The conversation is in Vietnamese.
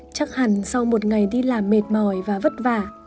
chắc hẳn sau một ngày đi làm mệt mỏi và vất vả